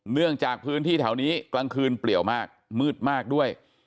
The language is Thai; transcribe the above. เนื่องจากพื้นที่แถวนี้กลางคืนเปลี่ยวมากมืดมากด้วย